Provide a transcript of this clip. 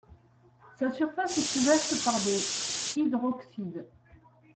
Sa surface est couverte par des hydroxydes.